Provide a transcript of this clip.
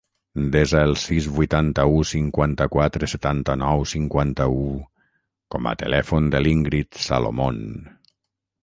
Desa el sis, vuitanta-u, cinquanta-quatre, setanta-nou, cinquanta-u com a telèfon de l'Íngrid Salomon.